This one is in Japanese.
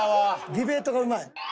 ディベートがうまい。